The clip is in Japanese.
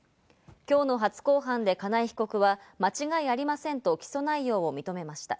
今日の初公判で金井被告は間違いありませんと起訴内容を認めました。